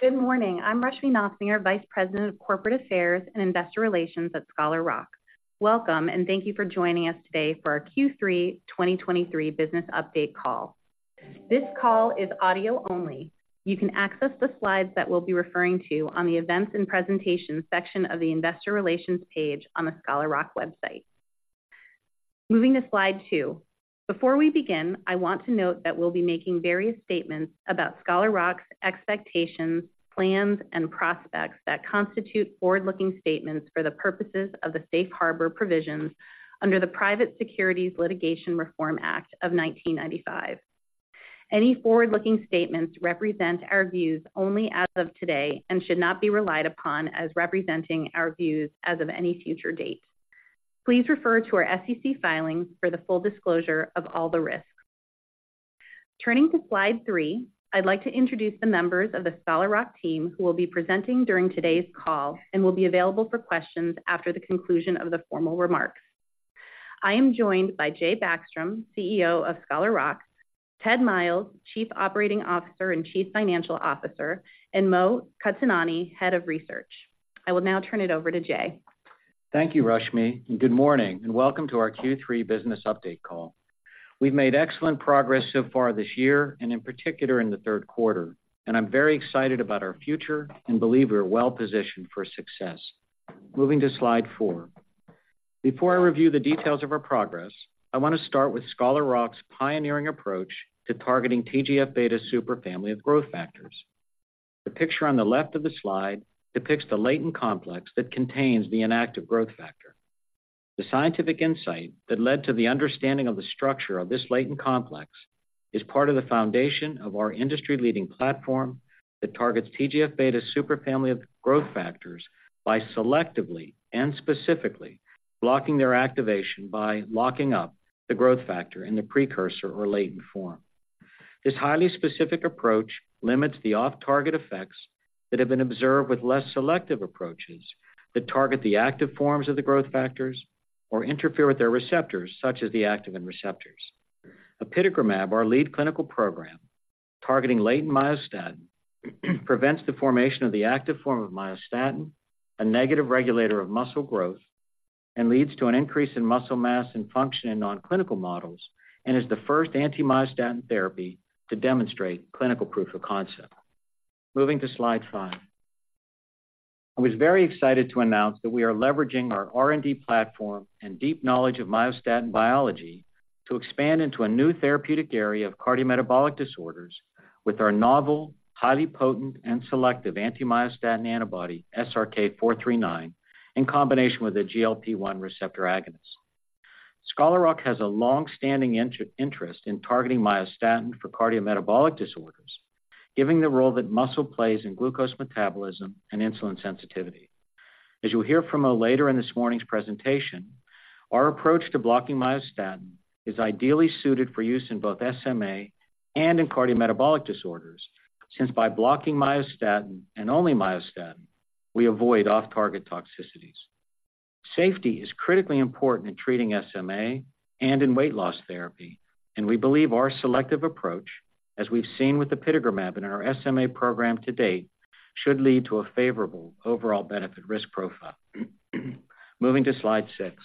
Good morning. I'm Rushmie Nofsinger, Vice President of Corporate Affairs and Investor Relations at Scholar Rock. Welcome, and thank you for joining us today for our Q3 2023 business update call. This call is audio only. You can access the slides that we'll be referring to on the Events and Presentations section of the Investor Relations page on the Scholar Rock website. Moving to slide two. Before we begin, I want to note that we'll be making various statements about Scholar Rock's expectations, plans, and prospects that constitute forward-looking statements for the purposes of the safe harbor provisions under the Private Securities Litigation Reform Act of 1995. Any forward-looking statements represent our views only as of today and should not be relied upon as representing our views as of any future date. Please refer to our SEC filings for the full disclosure of all the risks. Turning to slide three, I'd like to introduce the members of the Scholar Rock team who will be presenting during today's call and will be available for questions after the conclusion of the formal remarks. I am joined by Jay Backstrom, CEO of Scholar Rock, Ted Myles, Chief Operating Officer and Chief Financial Officer, and Mo Qatanani, Head of Research. I will now turn it over to Jay. Thank you, Rushmie. Good morning, and welcome to our Q3 business update call. We've made excellent progress so far this year and in particular in the third quarter, and I'm very excited about our future and believe we are well-positioned for success. Moving to slide four. Before I review the details of our progress, I want to start with Scholar Rock's pioneering approach to targeting TGF-beta superfamily of growth factors. The picture on the left of the slide depicts the latent complex that contains the inactive growth factor. The scientific insight that led to the understanding of the structure of this latent complex is part of the foundation of our industry-leading platform that targets TGF-beta superfamily of growth factors by selectively and specifically blocking their activation, by locking up the growth factor in the precursor or latent form. This highly specific approach limits the off-target effects that have been observed with less selective approaches that target the active forms of the growth factors or interfere with their receptors, such as the activin receptors. Apitegromab, our lead clinical program, targeting latent myostatin, prevents the formation of the active form of myostatin, a negative regulator of muscle growth, and leads to an increase in muscle mass and function in non-clinical models, and is the first anti-myostatin therapy to demonstrate clinical proof of concept. Moving to slide five. I was very excited to announce that we are leveraging our R&D platform and deep knowledge of myostatin biology to expand into a new therapeutic area of cardiometabolic disorders with our novel, highly potent, and selective anti-myostatin antibody, SRK-439, in combination with a GLP-1 receptor agonist. Scholar Rock has a long-standing interest in targeting myostatin for cardiometabolic disorders, given the role that muscle plays in glucose metabolism and insulin sensitivity. As you'll hear from Mo later in this morning's presentation, our approach to blocking myostatin is ideally suited for use in both SMA and in cardiometabolic disorders, since by blocking myostatin and only myostatin, we avoid off-target toxicities. Safety is critically important in treating SMA and in weight loss therapy, and we believe our selective approach, as we've seen with apitegromab in our SMA program to date, should lead to a favorable overall benefit-risk profile. Moving to slide six.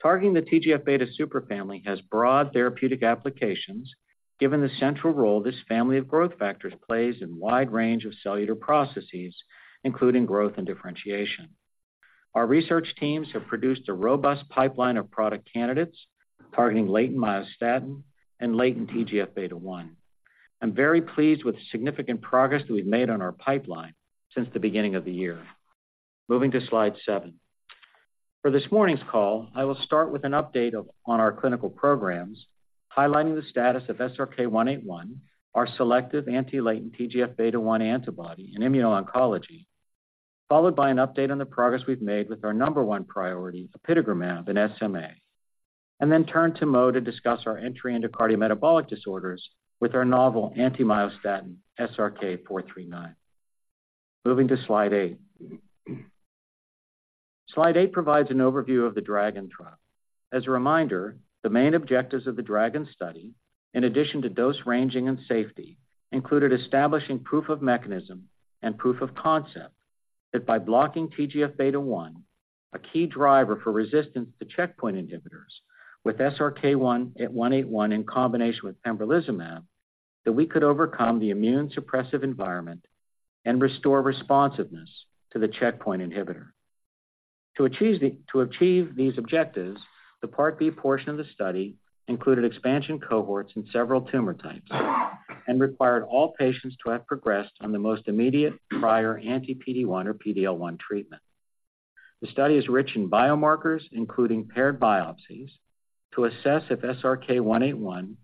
Targeting the TGF-beta superfamily has broad therapeutic applications, given the central role this family of growth factors plays in wide range of cellular processes, including growth and differentiation. Our research teams have produced a robust pipeline of product candidates targeting latent myostatin and latent TGF-beta1. I'm very pleased with the significant progress we've made on our pipeline since the beginning of the year. Moving to slide seven. For this morning's call, I will start with an update on our clinical programs, highlighting the status of SRK-181, our selective anti-latent TGF-beta1 antibody in immuno-oncology, followed by an update on the progress we've made with our number one priority, apitegromab and SMA, and then turn to Mo to discuss our entry into cardiometabolic disorders with our novel anti-myostatin, SRK-439. Moving to slide eight. Slide eight provides an overview of the DRAGON trial. As a reminder, the main objectives of the DRAGON study, in addition to dose ranging and safety, included establishing proof of mechanism and proof of concept that by blocking TGF-beta one, a key driver for resistance to checkpoint inhibitors with SRK-181 in combination with pembrolizumab, that we could overcome the immune suppressive environment and restore responsiveness to the checkpoint inhibitor. To achieve these objectives, the Part B portion of the study included expansion cohorts in several tumor types and required all patients to have progressed on the most immediate prior anti-PD-1 or PD-L1 treatment. The study is rich in biomarkers, including paired biopsies, to assess if SRK-181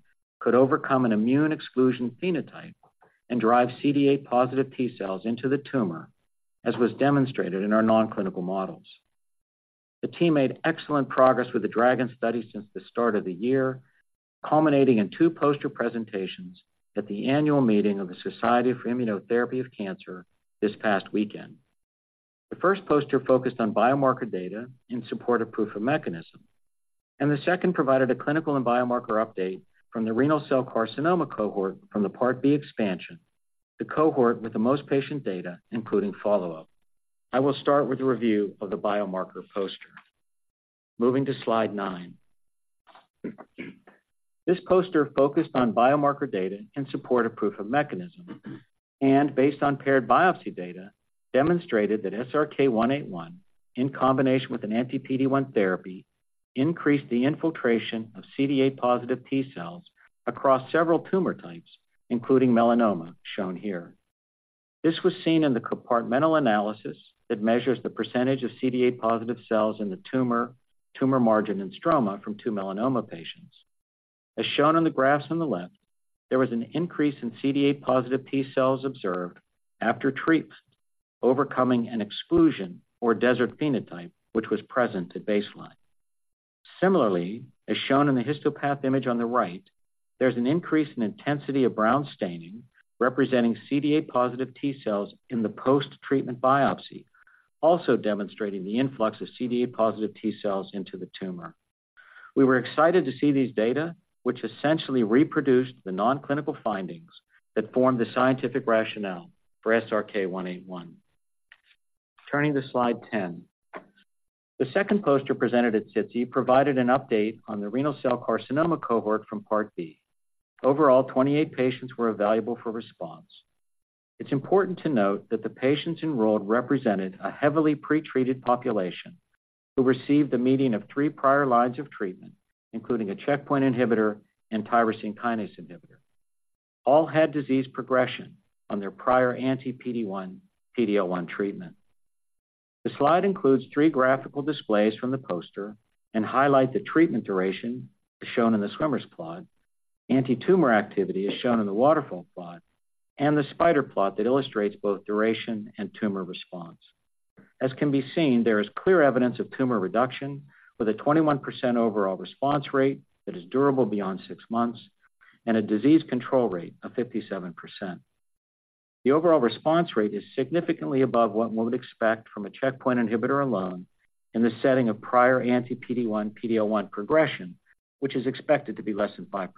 could overcome an immune exclusion phenotype and drive CD8-positive T cells into the tumor, as was demonstrated in our non-clinical models. The team made excellent progress with the DRAGON study since the start of the year, culminating in two poster presentations at the annual meeting of the Society for Immunotherapy of Cancer this past weekend. The first poster focused on biomarker data in support of proof of mechanism, and the second provided a clinical and biomarker update from the renal cell carcinoma cohort from the Part B expansion, the cohort with the most patient data, including follow-up. I will start with a review of the biomarker poster. Moving to slide nine. This poster focused on biomarker data in support of proof of mechanism, and based on paired biopsy data, demonstrated that SRK-181, in combination with an anti-PD-1 therapy, increased the infiltration of CD8-positive T cells across several tumor types, including melanoma, shown here. This was seen in the compartmental analysis that measures the percentage of CD8-positive T cells in the tumor, tumor margin and stroma from two melanoma patients. As shown on the graphs on the left, there was an increase in CD8-positive T cells observed after treatment, overcoming an exclusion or desert phenotype, which was present at baseline. Similarly, as shown in the histopath image on the right, there's an increase in intensity of brown staining, representing CD8-positive T cells in the post-treatment biopsy, also demonstrating the influx of CD8-positive T cells into the tumor. We were excited to see these data, which essentially reproduced the non-clinical findings that formed the scientific rationale for SRK-181. Turning to slide 10. The second poster presented at SITC provided an update on the renal cell carcinoma cohort from Part B. Overall, 28 patients were evaluable for response. It's important to note that the patients enrolled represented a heavily pretreated population, who received a median of three prior lines of treatment, including a checkpoint inhibitor and tyrosine kinase inhibitor. All had disease progression on their prior anti-PD-1, PD-L1 treatment. The slide includes three graphical displays from the poster and highlight the treatment duration, as shown in the swimmers plot, anti-tumor activity, as shown in the waterfall plot, and the spider plot that illustrates both duration and tumor response. As can be seen, there is clear evidence of tumor reduction, with a 21% overall response rate that is durable beyond six months, and a disease control rate of 57%. The overall response rate is significantly above what we would expect from a checkpoint inhibitor alone in the setting of prior anti-PD-1, PD-L1 progression, which is expected to be less than 5%.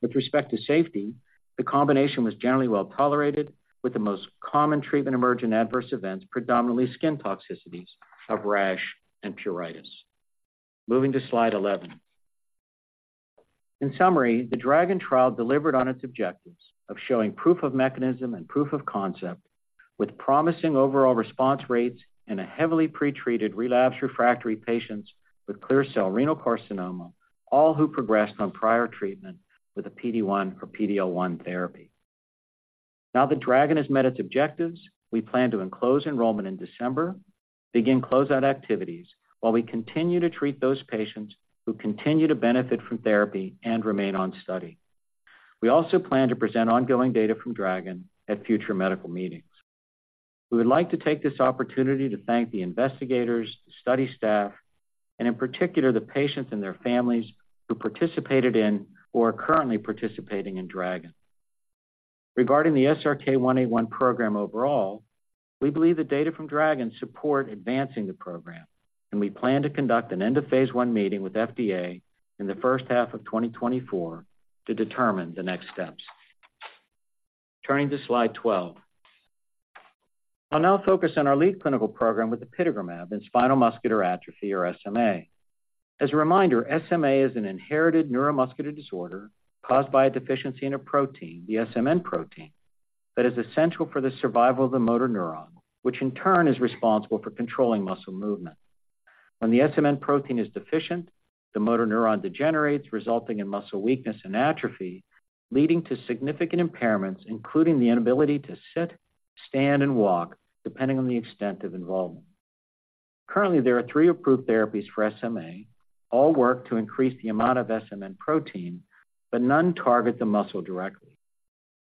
With respect to safety, the combination was generally well-tolerated, with the most common treatment-emergent adverse events, predominantly skin toxicities of rash and pruritus. Moving to slide 11. In summary, the DRAGON trial delivered on its objectives of showing proof of mechanism and proof of concept, with promising overall response rates in a heavily pretreated, relapsed, refractory patients with clear cell renal cell carcinoma, all who progressed on prior treatment with a PD-1 or PD-L1 therapy. Now that DRAGON has met its objectives, we plan to close enrollment in December, begin closeout activities, while we continue to treat those patients who continue to benefit from therapy and remain on study. We also plan to present ongoing data from DRAGON at future medical meetings. We would like to take this opportunity to thank the investigators, the study staff, and in particular, the patients and their families who participated in or are currently participating in DRAGON. Regarding the SRK-181 program overall, we believe the data from DRAGON support advancing the program, and we plan to conduct an end-of-Phase I meeting with FDA in the first half of 2024 to determine the next steps. Turning to slide 12. I'll now focus on our lead clinical program with apitegromab in spinal muscular atrophy, or SMA. As a reminder, SMA is an inherited neuromuscular disorder caused by a deficiency in a protein, the SMN protein, that is essential for the survival of the motor neuron, which in turn is responsible for controlling muscle movement. When the SMN protein is deficient, the motor neuron degenerates, resulting in muscle weakness and atrophy, leading to significant impairments, including the inability to sit, stand, and walk, depending on the extent of involvement. Currently, there are three approved therapies for SMA. All work to increase the amount of SMN protein, but none target the muscle directly.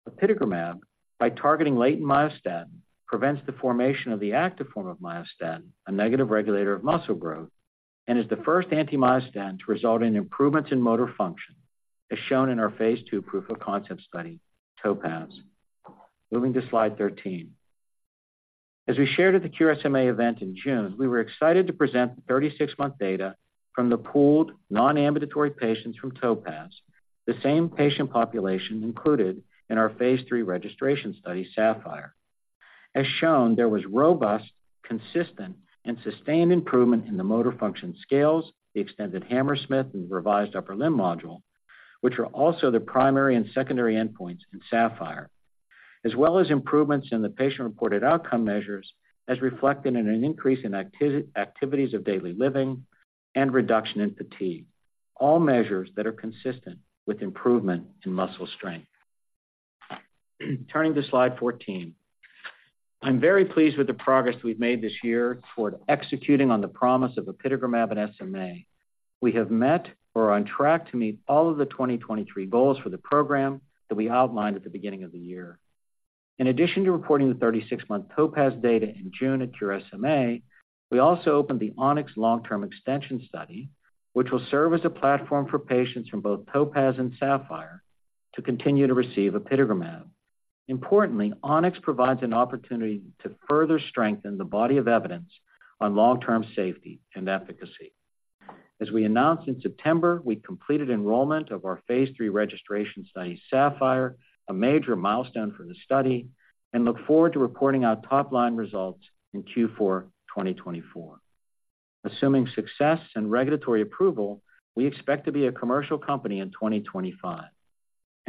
Apitegromab, by targeting latent myostatin, prevents the formation of the active form of myostatin, a negative regulator of muscle growth, and is the first anti-myostatin to result in improvements in motor function, as shown in our Phase II proof-of-concept study, TOPAZ. Moving to slide 13. As we shared at the Cure SMA event in June, we were excited to present the 36-month data from the pooled non-ambulatory patients from TOPAZ, the same patient population included in our Phase III registration study, SAPPHIRE. As shown, there was robust, consistent, and sustained improvement in the motor function scales, the Expanded Hammersmith and Revised Upper Limb Module, which are also the primary and secondary endpoints in SAPPHIRE, as well as improvements in the patient-reported outcome measures, as reflected in an increase in activities of daily living and reduction in fatigue, all measures that are consistent with improvement in muscle strength. Turning to slide 14. I'm very pleased with the progress we've made this year toward executing on the promise of apitegromab in SMA. We have met or are on track to meet all of the 2023 goals for the program that we outlined at the beginning of the year. In addition to reporting the 36-month TOPAZ data in June at Cure SMA, we also opened the ONYX long-term extension study, which will serve as a platform for patients from both TOPAZ and SAPPHIRE. to continue to receive apitegromab. Importantly, ONYX provides an opportunity to further strengthen the body of evidence on long-term safety and efficacy. As we announced in September, we completed enrollment of our Phase III registration study, SAPPHIRE, a major milestone for the study, and look forward to reporting our top-line results in Q4 2024. Assuming success and regulatory approval, we expect to be a commercial company in 2025.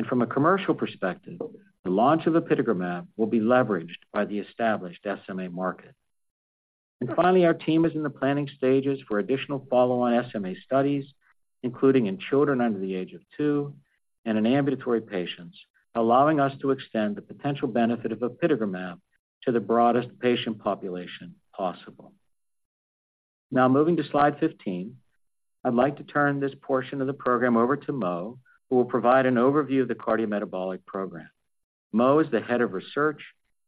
From a commercial perspective, the launch of apitegromab will be leveraged by the established SMA market. Finally, our team is in the planning stages for additional follow-on SMA studies, including in children under the age of two and in ambulatory patients, allowing us to extend the potential benefit of apitegromab to the broadest patient population possible. Now, moving to slide 15, I'd like to turn this portion of the program over to Mo, who will provide an overview of the cardiometabolic program. Mo is the Head of Research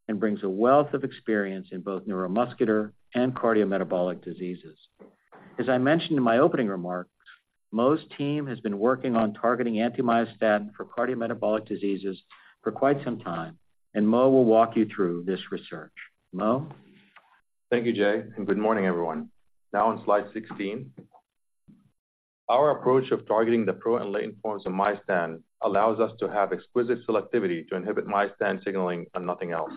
and brings a wealth of experience in both neuromuscular and cardiometabolic diseases. As I mentioned in my opening remarks, Mo's team has been working on targeting anti-myostatin for cardiometabolic diseases for quite some time, and Mo will walk you through this research. Mo? Thank you, Jay, and good morning, everyone. Now on slide 16. Our approach of targeting the pro and latent forms of myostatin allows us to have exquisite selectivity to inhibit myostatin signaling and nothing else.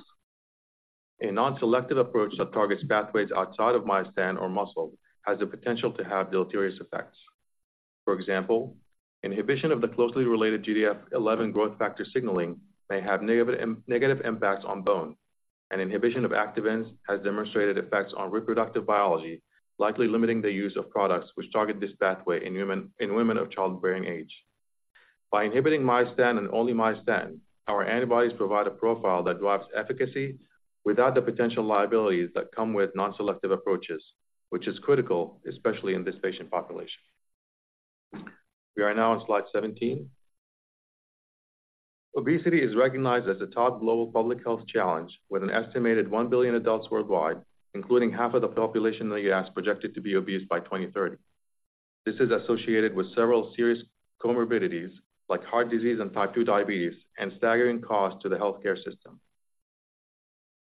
A non-selective approach that targets pathways outside of myostatin or muscle has the potential to have deleterious effects. For example, inhibition of the closely related GDF-11 growth factor signaling may have negative impacts on bone, and inhibition of Activin has demonstrated effects on reproductive biology, likely limiting the use of products which target this pathway in women of childbearing age. By inhibiting myostatin and only myostatin, our antibodies provide a profile that drives efficacy without the potential liabilities that come with non-selective approaches, which is critical, especially in this patient population. We are now on slide 17. Obesity is recognized as a top global public health challenge, with an estimated 1 billion adults worldwide, including half of the population in the U.S., projected to be obese by 2030. This is associated with several serious comorbidities like heart disease and type two diabetes, and staggering costs to the healthcare system.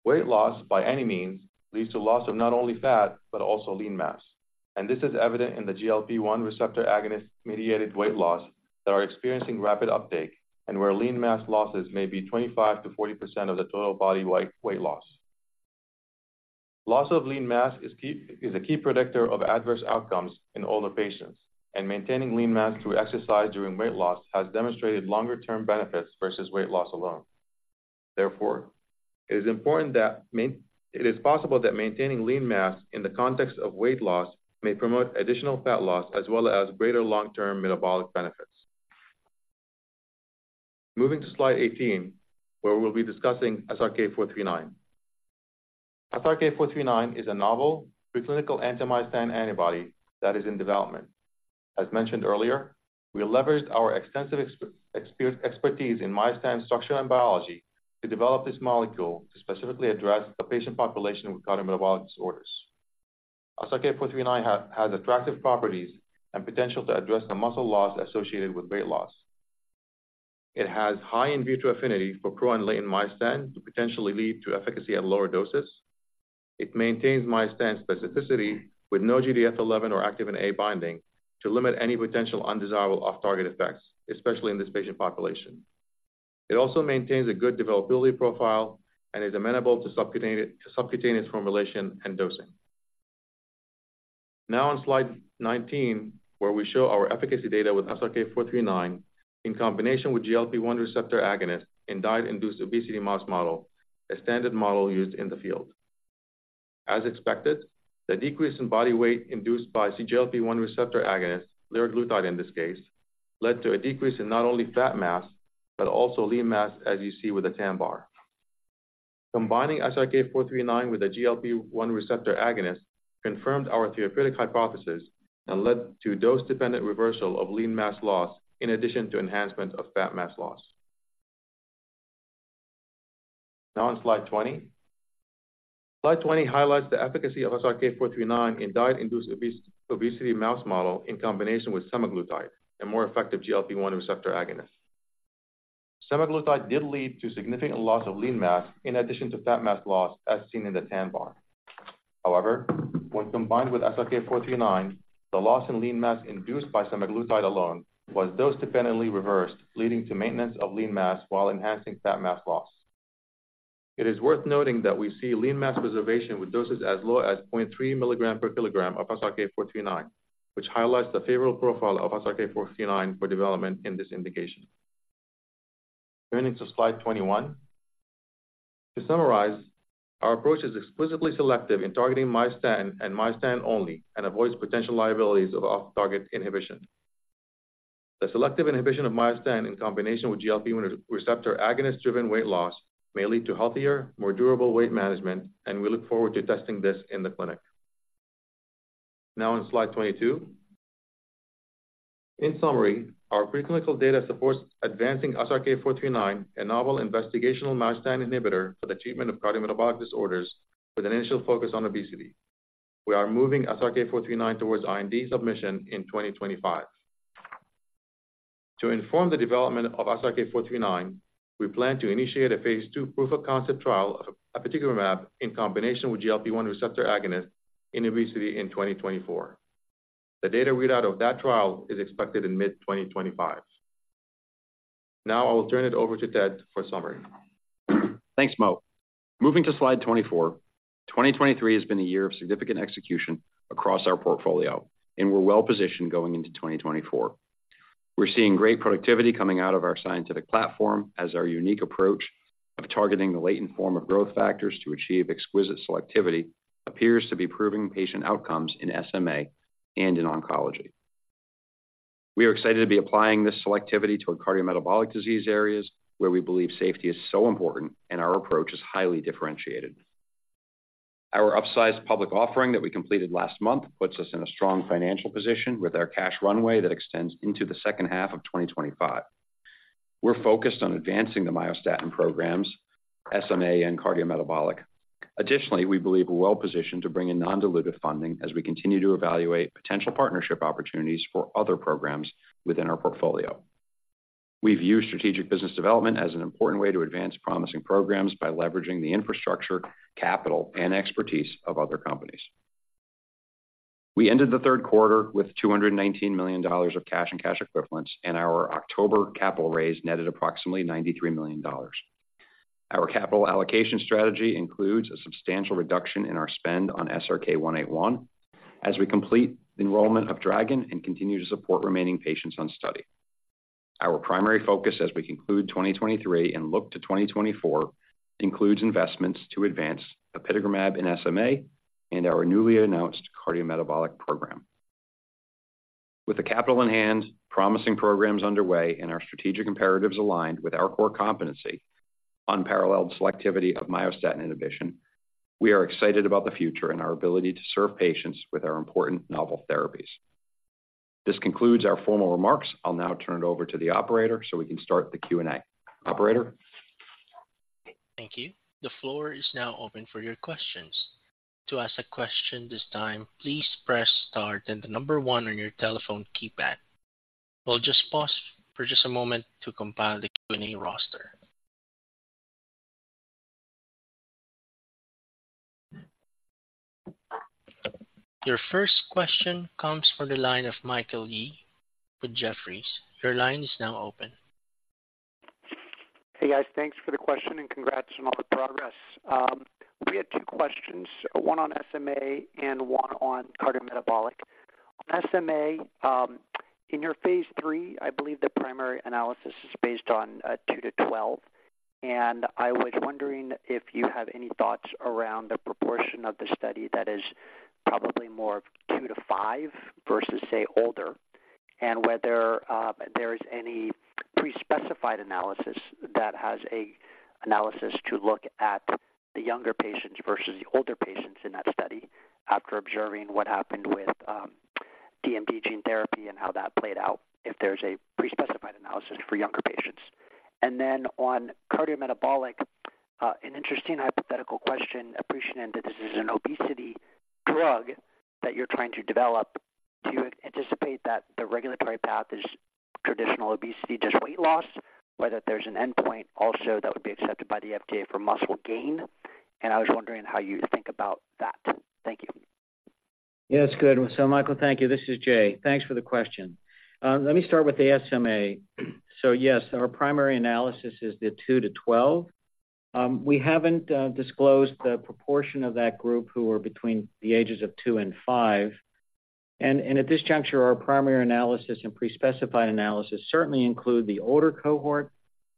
Weight loss, by any means, leads to loss of not only fat but also lean mass, and this is evident in the GLP-1 receptor agonist-mediated weight loss that are experiencing rapid uptake, and where lean mass losses may be 25%-40% of the total body weight loss. Loss of lean mass is a key predictor of adverse outcomes in older patients, and maintaining lean mass through exercise during weight loss has demonstrated longer-term benefits versus weight loss alone. Therefore, it is important that it is possible that maintaining lean mass in the context of weight loss may promote additional fat loss as well as greater long-term metabolic benefits. Moving to slide 18, where we'll be discussing SRK-439. SRK-439 is a novel preclinical anti-myostatin antibody that is in development. As mentioned earlier, we leveraged our extensive expertise in myostatin structure and biology to develop this molecule to specifically address the patient population with cardiometabolic disorders. SRK-439 has attractive properties and potential to address the muscle loss associated with weight loss. It has high in vitro affinity for pro and latent myostatin to potentially lead to efficacy at lower doses. It maintains myostatin specificity with no GDF11 or activin A binding to limit any potential undesirable off-target effects, especially in this patient population. It also maintains a good developability profile and is amenable to subcutaneous formulation and dosing. Now on slide 19, where we show our efficacy data with SRK-439 in combination with GLP-1 receptor agonist in diet-induced obesity mouse model, a standard model used in the field. As expected, the decrease in body weight induced by the GLP-1 receptor agonist, liraglutide in this case, led to a decrease in not only fat mass, but also lean mass, as you see with the tan bar. Combining SRK-439 with a GLP-1 receptor agonist confirmed our theoretic hypothesis and led to dose-dependent reversal of lean mass loss, in addition to enhancement of fat mass loss. Now on slide 20. Slide 20 highlights the efficacy of SRK-439 in diet-induced obesity mouse model in combination with semaglutide, a more effective GLP-1 receptor agonist. Semaglutide did lead to significant loss of lean mass in addition to fat mass loss, as seen in the tan bar. However, when combined with SRK-439, the loss in lean mass induced by semaglutide alone was dose-dependently reversed, leading to maintenance of lean mass while enhancing fat mass loss. It is worth noting that we see lean mass preservation with doses as low as 0.3 mg/kg of SRK-439, which highlights the favorable profile of SRK-439 for development in this indication. Turning to slide 21. To summarize, our approach is explicitly selective in targeting myostatin and myostatin only and avoids potential liabilities of off-target inhibition. The selective inhibition of myostatin in combination with GLP-1 receptor agonist-driven weight loss may lead to healthier, more durable weight management, and we look forward to testing this in the clinic. Now on slide 22. In summary, our preclinical data supports advancing SRK-439, a novel investigational myostatin inhibitor for the treatment of cardiometabolic disorders, with an initial focus on obesity.... We are moving SRK-439 towards IND submission in 2025. To inform the development of SRK-439, we plan to initiate a Phase II proof-of-concept trial of apitegromab in combination with GLP-1 receptor agonist in obesity in 2024. The data readout of that trial is expected in mid-2025. Now I will turn it over to Ted for summary. Thanks, Mo. Moving to slide 24. 2023 has been a year of significant execution across our portfolio, and we're well positioned going into 2024. We're seeing great productivity coming out of our scientific platform, as our unique approach of targeting the latent form of growth factors to achieve exquisite selectivity appears to be improving patient outcomes in SMA and in oncology. We are excited to be applying this selectivity toward cardiometabolic disease areas, where we believe safety is so important and our approach is highly differentiated. Our upsized public offering that we completed last month puts us in a strong financial position with our cash runway that extends into the second half of 2025. We're focused on advancing the myostatin programs, SMA, and cardiometabolic. Additionally, we believe we're well positioned to bring in non-dilutive funding as we continue to evaluate potential partnership opportunities for other programs within our portfolio. We view strategic business development as an important way to advance promising programs by leveraging the infrastructure, capital, and expertise of other companies. We ended the third quarter with $219 million of cash and cash equivalents, and our October capital raise netted approximately $93 million. Our capital allocation strategy includes a substantial reduction in our spend on SRK-181 as we complete enrollment of DRAGON and continue to support remaining patients on study. Our primary focus as we conclude 2023 and look to 2024 includes investments to advance apitegromab in SMA and our newly announced cardiometabolic program. With the capital in hand, promising programs underway, and our strategic imperatives aligned with our core competency, unparalleled selectivity of myostatin inhibition, we are excited about the future and our ability to serve patients with our important novel therapies. This concludes our formal remarks. I'll now turn it over to the operator, so we can start the Q&A. Operator? Thank you. The floor is now open for your questions. To ask a question this time, please press star then the number one on your telephone keypad. We'll just pause for just a moment to compile the Q&A roster. Your first question comes from the line of Michael Yee with Jefferies. Your line is now open. Hey, guys. Thanks for the question, and congrats on all the progress. We had two questions, one on SMA and one on cardiometabolic. SMA, in your Phase III, I believe the primary analysis is based on two to 12, and I was wondering if you have any thoughts around the proportion of the study that is probably more of two to five versus, say, older? And whether there is any prespecified analysis that has an analysis to look at the younger patients versus the older patients in that study, after observing what happened with DMD gene therapy and how that played out, if there's a prespecified analysis for younger patients. And then on cardiometabolic, an interesting hypothetical question, appreciating that this is an obesity drug that you're trying to develop. Do you anticipate that the regulatory path is traditional obesity, just weight loss, whether there's an endpoint also that would be accepted by the FDA for muscle gain? And I was wondering how you think about that. Thank you. Yeah, that's good. So Michael, thank you. This is Jay. Thanks for the question. Let me start with the SMA. So yes, our primary analysis is the two to 12. We haven't disclosed the proportion of that group who are between the ages of two and five. And at this juncture, our primary analysis and prespecified analysis certainly include the older cohort.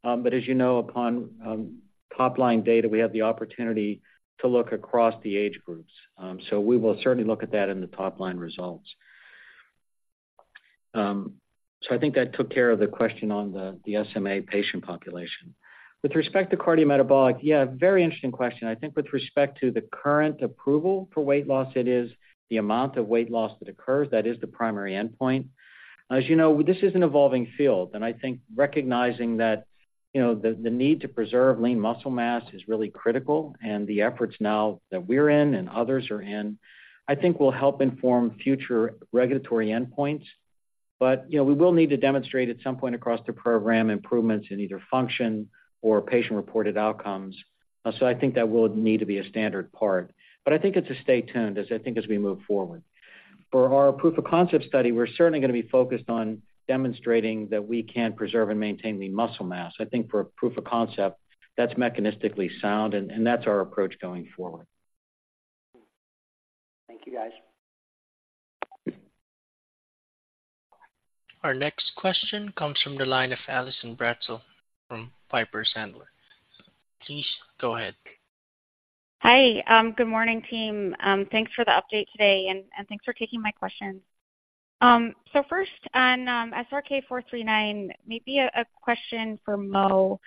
But as you know, upon top-line data, we have the opportunity to look across the age groups. So we will certainly look at that in the top-line results. So I think that took care of the question on the SMA patient population. With respect to cardiometabolic, yeah, very interesting question. I think with respect to the current approval for weight loss, it is the amount of weight loss that occurs that is the primary endpoint. As you know, this is an evolving field, and I think recognizing that, you know, the need to preserve lean muscle mass is really critical. And the efforts now that we're in and others are in, I think will help inform future regulatory endpoints. But, you know, we will need to demonstrate at some point across the program improvements in either function or patient-reported outcomes. So I think that will need to be a standard part, but I think it's a stay tuned, as I think as we move forward. For our proof of concept study, we're certainly going to be focused on demonstrating that we can preserve and maintain lean muscle mass. I think for a proof of concept, that's mechanistically sound, and that's our approach going forward. Thank you, guys. Our next question comes from the line of Allison Bratzel from Piper Sandler. Please go ahead. Hi. Good morning, team. Thanks for the update today, and thanks for taking my questions. So first on SRK-439, maybe a question for Mo.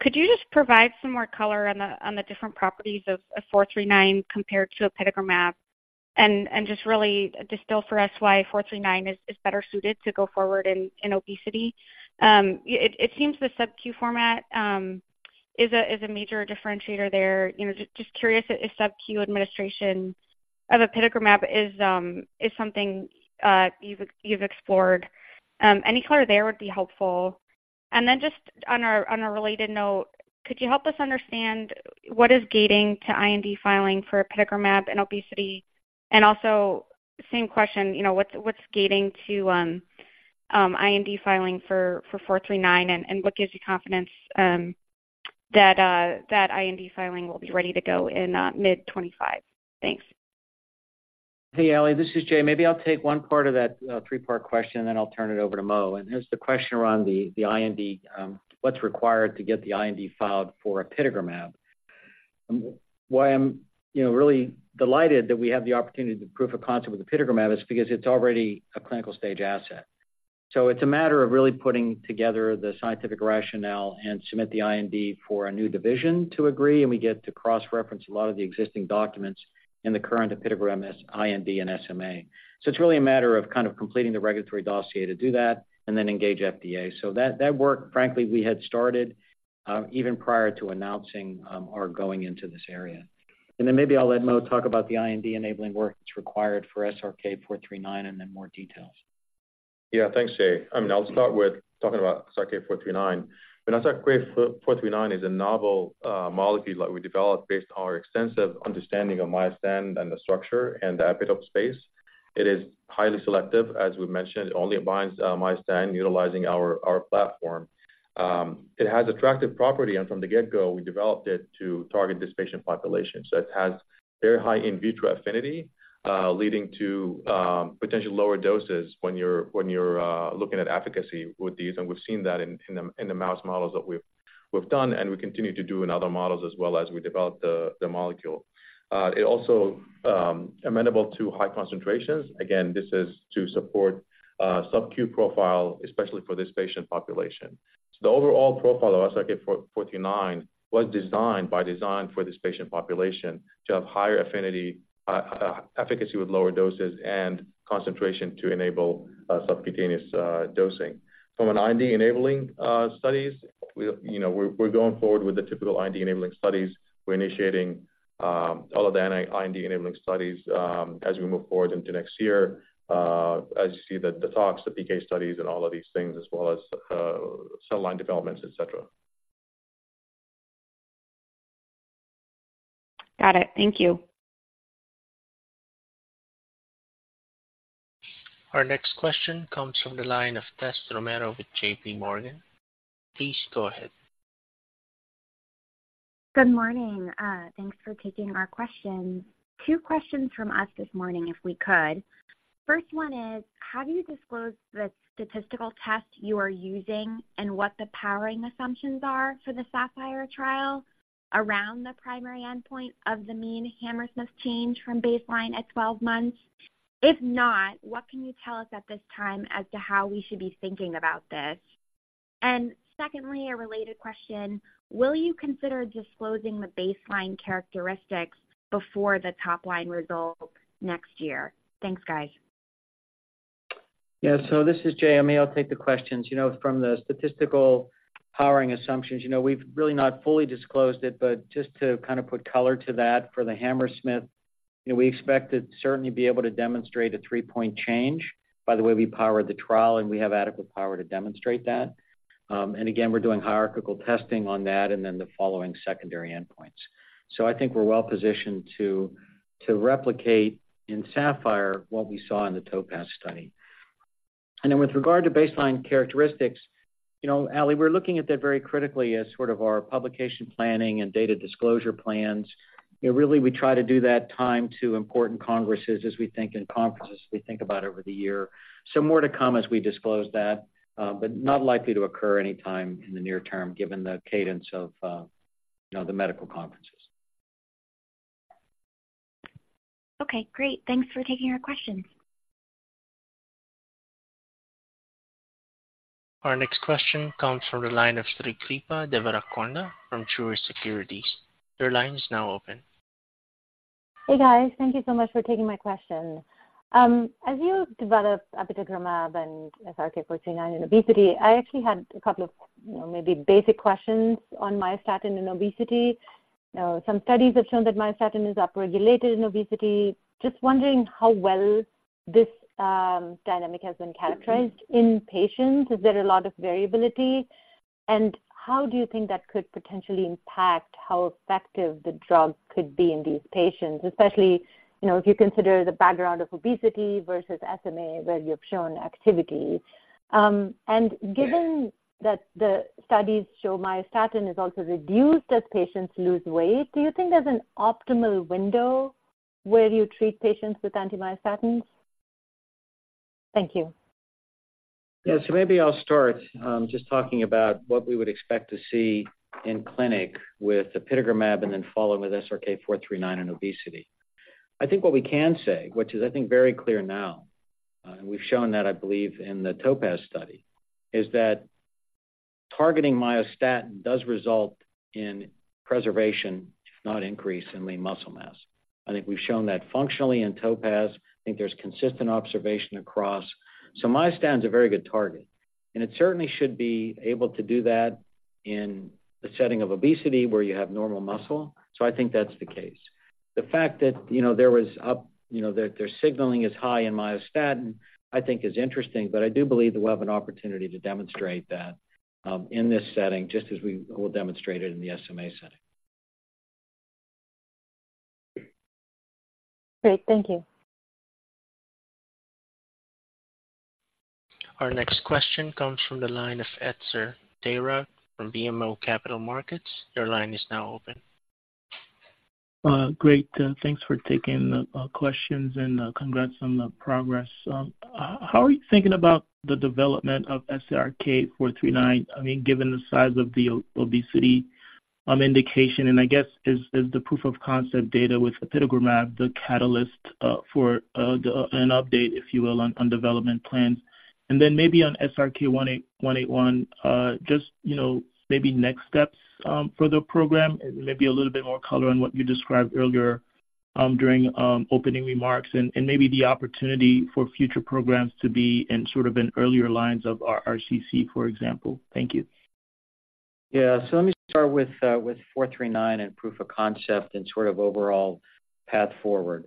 Could you just provide some more color on the different properties of 439 compared to apitegromab? And just really distill for us why 439 is better suited to go forward in obesity. It seems the subQ format is a major differentiator there? You know, just curious if subQ administration of apitegromab is something you've explored. Any color there would be helpful. And then just on a related note, could you help us understand what is gating to IND filing for apitegromab and obesity? Also, same question, you know, what's gating to IND filing for 439, and what gives you confidence that IND filing will be ready to go in mid-2025? Thanks. Hey, Allie, this is Jay. Maybe I'll take one part of that three-part question, and then I'll turn it over to Mo. There's the question around the IND, what's required to get the IND filed for apitegromab. Why I'm, you know, really delighted that we have the opportunity to proof of concept with apitegromab is because it's already a clinical stage asset. So it's a matter of really putting together the scientific rationale and submit the IND for a new indication to agree, and we get to cross-reference a lot of the existing documents in the current apitegromab IND and SMA. So it's really a matter of kind of completing the regulatory dossier to do that and then engage FDA. So that work, frankly, we had started even prior to announcing our going into this area. And then maybe I'll let Mo talk about the IND-enabling work that's required for SRK-439, and then more details. Yeah. Thanks, Jay. I mean, I'll start with talking about SRK-439. SRK-439 is a novel, molecule that we developed based on our extensive understanding of myostatin and the structure and the epitope space. It is highly selective. As we mentioned, it only binds, myostatin, utilizing our platform. It has attractive property, and from the get-go, we developed it to target this patient population. So it has very high in vitro affinity, leading to, potentially lower doses when you're looking at efficacy with these. And we've seen that in the mouse models that we've done, and we continue to do in other models as well as we develop the molecule. It also, amenable to high concentrations. Again, this is to support, subQ profile, especially for this patient population. So the overall profile of SRK-439 was designed, by design, for this patient population to have higher affinity, efficacy with lower doses and concentration to enable subcutaneous dosing. From an IND-enabling studies, we, you know, we're going forward with the typical IND-enabling studies. We're initiating all of the IND-enabling studies as we move forward into next year, as you see the talks, the PK studies and all of these things, as well as cell line developments, et cetera. Got it. Thank you. Our next question comes from the line of Tessa Romero with J.P. Morgan. Please go ahead. Good morning. Thanks for taking our questions. Two questions from us this morning, if we could. First one is, have you disclosed the statistical test you are using and what the powering assumptions are for the SAPPHIRE trial around the primary endpoint of the mean Hammersmith change from baseline at 12 months? If not, what can you tell us at this time as to how we should be thinking about this? And secondly, a related question: Will you consider disclosing the baseline characteristics before the top-line results next year? Thanks, guys. Yeah. So this is Jay. Maybe I'll take the questions. You know, from the statistical powering assumptions, you know, we've really not fully disclosed it, but just to kind of put color to that, for the Hammersmith, you know, we expect to certainly be able to demonstrate a three-point change. By the way, we powered the trial, and we have adequate power to demonstrate that. And again, we're doing hierarchical testing on that and then the following secondary endpoints. So I think we're well positioned to, to replicate in SAPPHIRE what we saw in the TOPAZ study. And then with regard to baseline characteristics, you know, Allie, we're looking at that very critically as sort of our publication planning and data disclosure plans. You know, really, we try to do that time to important congresses as we think, and conferences we think about over the year. More to come as we disclose that, but not likely to occur anytime in the near term, given the cadence of, you know, the medical conferences. Okay, great. Thanks for taking our questions. Our next question comes from the line of Srikripa Devarakonda from Truist Securities. Your line is now open. Hey, guys. Thank you so much for taking my question. As you develop apitegromab and SRK-439 in obesity, I actually had a couple of, you know, maybe basic questions on myostatin and obesity. Some studies have shown that myostatin is upregulated in obesity. Just wondering how well this dynamic has been characterized in patients. Is there a lot of variability? And how do you think that could potentially impact how effective the drug could be in these patients, especially, you know, if you consider the background of obesity versus SMA, where you've shown activity? And given that the studies show myostatin is also reduced as patients lose weight, do you think there's an optimal window where you treat patients with anti-myostatins? Thank you. Yeah. So maybe I'll start just talking about what we would expect to see in clinic with apitegromab, and then follow with SRK-439 in obesity. I think what we can say, which is, I think, very clear now, and we've shown that, I believe, in the TOPAZ study, is that targeting myostatin does result in preservation, if not increase, in lean muscle mass. I think we've shown that functionally in TOPAZ. I think there's consistent observation across. So myostatin is a very good target, and it certainly should be able to do that in the setting of obesity, where you have normal muscle. So I think that's the case. The fact that, you know, there was up, you know, that their signaling is high in myostatin, I think is interesting, but I do believe that we'll have an opportunity to demonstrate that in this setting, just as we will demonstrate it in the SMA setting. Great, thank you. Our next question comes from the line of Etzer Darout from BMO Capital Markets. Your line is now open. Great, thanks for taking the questions, and congrats on the progress. How are you thinking about the development of SRK-439? I mean, given the size of the obesity indication, and I guess is the proof of concept data with apitegromab the catalyst for an update, if you will, on development plans? And then maybe on SRK-181, just, you know, maybe next steps for the program, and maybe a little bit more color on what you described earlier during opening remarks and maybe the opportunity for future programs to be in sort of earlier lines of RCC, for example. Thank you. Yeah. So let me start with 439 and proof of concept and sort of overall path forward.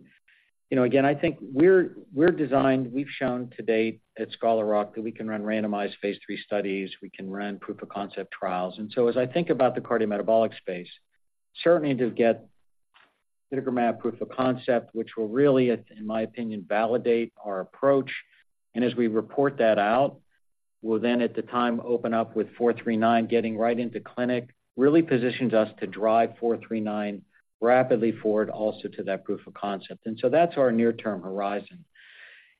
You know, again, I think we're designed. We've shown to date at Scholar Rock that we can run randomized Phase III studies, we can run proof of concept trials. And so as I think about the cardiometabolic space, certainly to get apitegromab proof of concept, which will really, in my opinion, validate our approach. And as we report that out, we'll then, at the time, open up with 439, getting right into clinic, really positions us to drive 439 rapidly forward also to that proof of concept. And so that's our near-term horizon.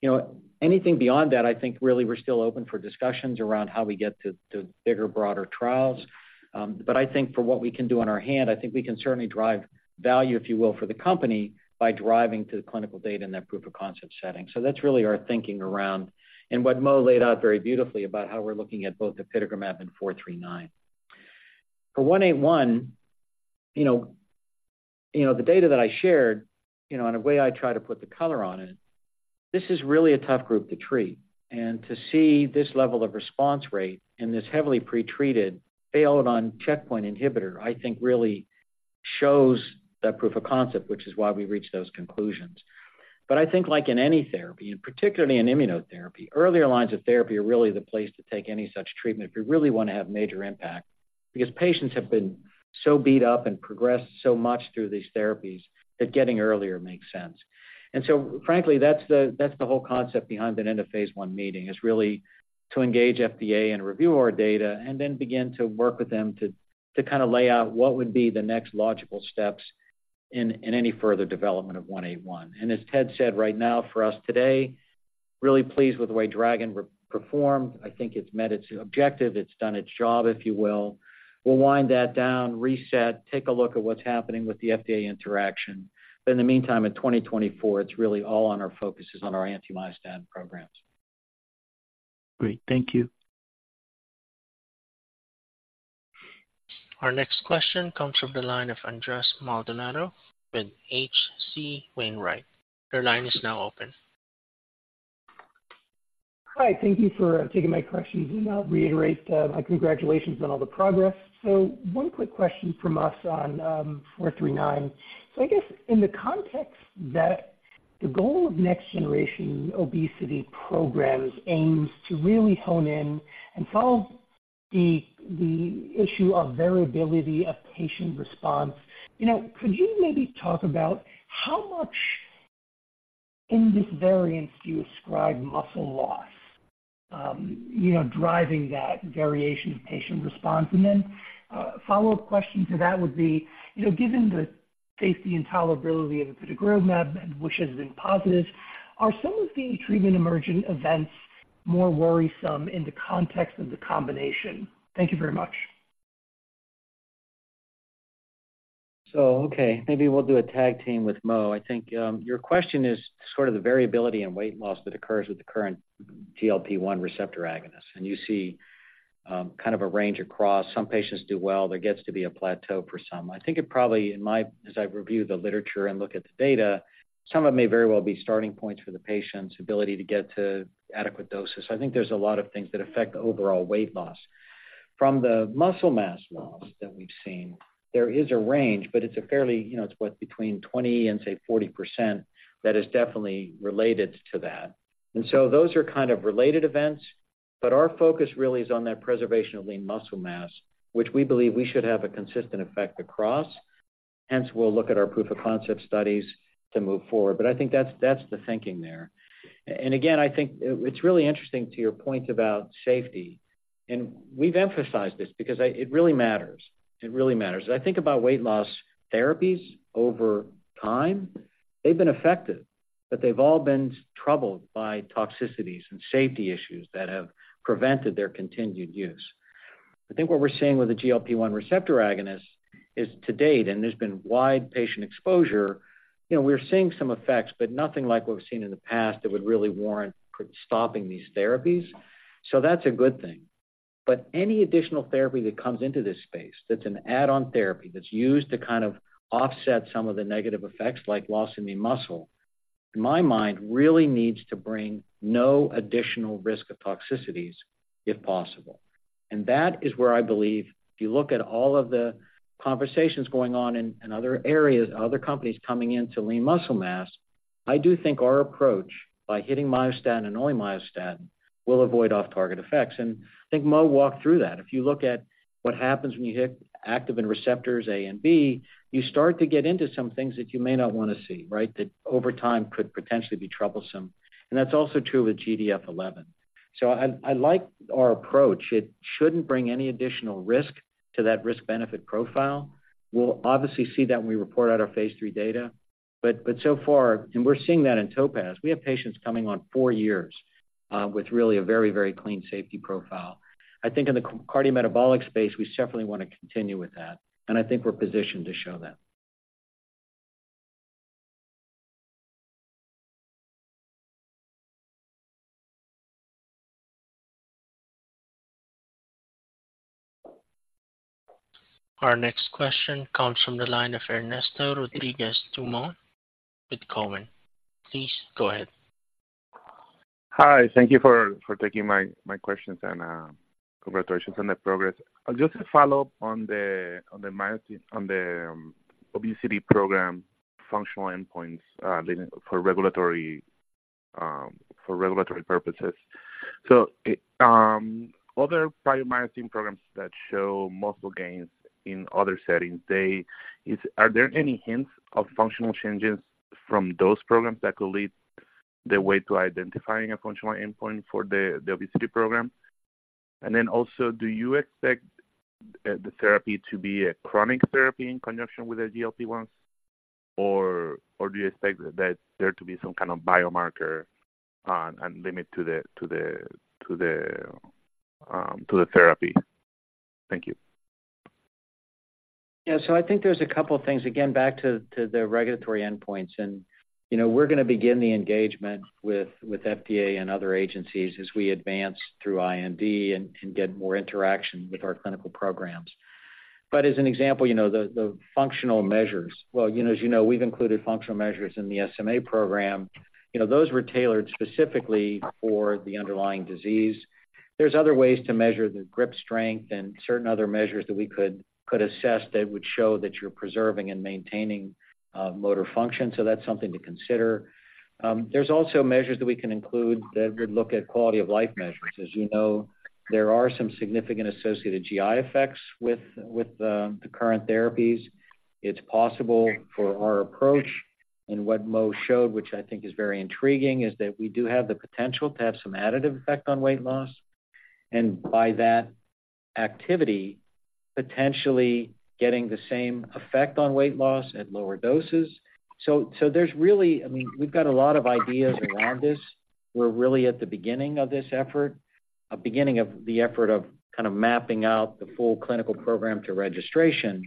You know, anything beyond that, I think really we're still open for discussions around how we get to bigger, broader trials. But I think for what we can do on our end, I think we can certainly drive value, if you will, for the company by driving to the clinical data in that proof of concept setting. So that's really our thinking around, and what Mo laid out very beautifully about how we're looking at both apitegromab and 439. For 181, you know, you know, the data that I shared, you know, and the way I try to put the color on it, this is really a tough group to treat. And to see this level of response rate in this heavily pretreated, failed on checkpoint inhibitor, I think really shows that proof of concept, which is why we reached those conclusions. But I think like in any therapy, and particularly in immunotherapy, earlier lines of therapy are really the place to take any such treatment if you really want to have major impact, because patients have been so beat up and progressed so much through these therapies that getting earlier makes sense. And so, frankly, that's the, that's the whole concept behind an end-of-Phase I meeting, is really to engage FDA and review our data and then begin to work with them to, to kind of lay out what would be the next logical steps in, in any further development of SRK-181. And as Ted said, right now, for us today, really pleased with the way DRAGON performed. I think it's met its objective, it's done its job, if you will. We'll wind that down, reset, take a look at what's happening with the FDA interaction. in the meantime, in 2024, it's really all on our focuses on our anti-myostatin programs. Great, thank you. Our next question comes from the line of Andres Maldonado with H.C. Wainwright. Your line is now open. Hi, thank you for taking my questions, and I'll reiterate my congratulations on all the progress. So one quick question from us on 439. So I guess in the context that the goal of next-generation obesity programs aims to really hone in and solve the issue of variability of patient response, you know, could you maybe talk about how much in this variance do you ascribe muscle loss, you know, driving that variation of patient response? And then a follow-up question to that would be, you know, given the safety and tolerability of apitegromab, which has been positive, are some of the treatment-emergent events more worrisome in the context of the combination? Thank you very much. So okay, maybe we'll do a tag team with Mo. I think your question is sort of the variability in weight loss that occurs with the current GLP-1 receptor agonist, and you see kind of a range across. Some patients do well, there gets to be a plateau for some. I think it probably, in my, as I review the literature and look at the data, some of it may very well be starting points for the patient's ability to get to adequate doses. I think there's a lot of things that affect the overall weight loss. From the muscle mass loss that we've seen, there is a range, but it's a fairly, you know, it's what? Between 20% and, say, 40%, that is definitely related to that. And so those are kind of related events, but our focus really is on that preservation of lean muscle mass, which we believe we should have a consistent effect across. Hence, we'll look at our proof of concept studies to move forward. But I think that's, that's the thinking there. And again, I think it, it's really interesting to your point about safety, and we've emphasized this because I, it really matters. It really matters. I think about weight loss therapies over time. They've been effective, but they've all been troubled by toxicities and safety issues that have prevented their continued use. I think what we're seeing with the GLP-1 receptor agonist is to date, and there's been wide patient exposure, you know, we're seeing some effects, but nothing like what we've seen in the past that would really warrant stopping these therapies. So that's a good thing. But any additional therapy that comes into this space, that's an add-on therapy, that's used to kind of offset some of the negative effects, like loss in the muscle, in my mind, really needs to bring no additional risk of toxicities, if possible. And that is where I believe, if you look at all of the conversations going on in other areas, other companies coming into lean muscle mass, I do think our approach, by hitting myostatin and only myostatin, will avoid off-target effects. And I think Mo walked through that. If you look at what happens when you hit activin receptors A and B, you start to get into some things that you may not want to see, right? That over time could potentially be troublesome, and that's also true with GDF11. So I like our approach. It shouldn't bring any additional risk to that risk-benefit profile. We'll obviously see that when we report out our Phase III data, but so far... We're seeing that in TOPAZ. We have patients coming on four years with really a very, very clean safety profile. I think in the cardiometabolic space, we separately want to continue with that, and I think we're positioned to show that. Our next question comes from the line of Ernesto Rodriguez-Dumont with Cowen. Please go ahead. Hi, thank you for taking my questions, and congratulations on the progress. Just to follow up on the myostatin on the obesity program functional endpoints for regulatory purposes. So, other myostatin programs that show muscle gains in other settings, are there any hints of functional changes from those programs that could lead the way to identifying a functional endpoint for the obesity program? And then also, do you expect the therapy to be a chronic therapy in conjunction with the GLP-1, or do you expect that there to be some kind of biomarker and limit to the therapy? Thank you. Yeah, so I think there's a couple of things. Again, back to the regulatory endpoints and, you know, we're going to begin the engagement with FDA and other agencies as we advance through IND and get more interaction with our clinical programs. But as an example, you know, the functional measures. Well, you know, as you know, we've included functional measures in the SMA program. You know, those were tailored specifically for the underlying disease. There's other ways to measure the grip strength and certain other measures that we could assess that would show that you're preserving and maintaining motor function. So that's something to consider. There's also measures that we can include that would look at quality-of-life measures. As you know, there are some significant associated GI effects with the current therapies. It's possible for our approach, and what Mo showed, which I think is very intriguing, is that we do have the potential to have some additive effect on weight loss, and by that activity, potentially getting the same effect on weight loss at lower doses. So, so there's really... I mean, we've got a lot of ideas around this. We're really at the beginning of this effort, beginning of the effort of kind of mapping out the full clinical program to registration,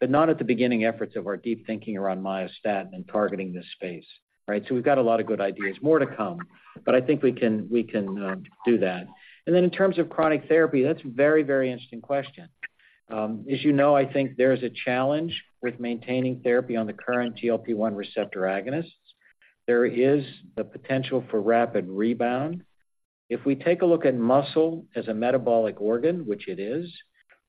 but not at the beginning efforts of our deep thinking around myostatin and targeting this space, right? So we've got a lot of good ideas, more to come, but I think we can, we can, do that. And then in terms of chronic therapy, that's a very, very interesting question. As you know, I think there's a challenge with maintaining therapy on the current GLP-1 receptor agonists. There is the potential for rapid rebound. If we take a look at muscle as a metabolic organ, which it is,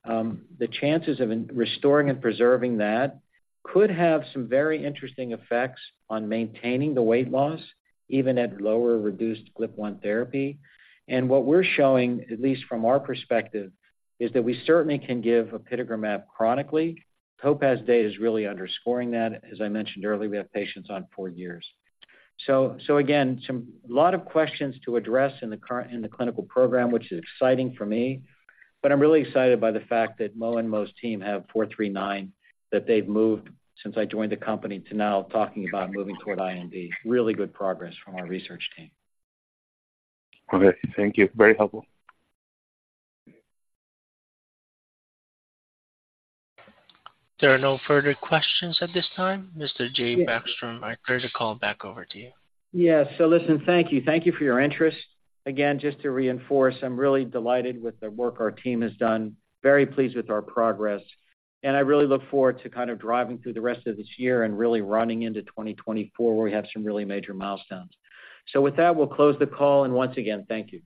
the chances of restoring and preserving that could have some very interesting effects on maintaining the weight loss, even at lower reduced GLP-1 therapy. And what we're showing, at least from our perspective, is that we certainly can give apitegromab chronically. TOPAZ data is really underscoring that. As I mentioned earlier, we have patients on four years. So again, a lot of questions to address in the clinical program, which is exciting for me. But I'm really excited by the fact that Mo and Mo's team have SRK-439, that they've moved since I joined the company, to now talking about moving toward IND. Really good progress from our research team. Okay. Thank you. Very helpful. There are no further questions at this time. Mr. Jay Backstrom, I'm going to turn the call back over to you. Yeah. So listen, thank you. Thank you for your interest. Again, just to reinforce, I'm really delighted with the work our team has done, very pleased with our progress, and I really look forward to kind of driving through the rest of this year and really running into 2024, where we have some really major milestones. So with that, we'll close the call, and once again, thank you.